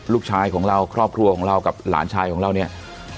ลูกชายของเราครอบครัวของเรากับหลานชายของเราเนี่ย